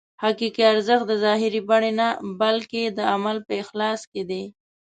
حقیقي ارزښت د ظاهري بڼې نه بلکې د عمل په اخلاص کې دی.